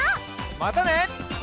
またね！